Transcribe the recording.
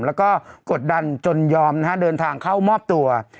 แล้วก็กดดันจนยอมนะฮะเดินทางเข้ามอบตัว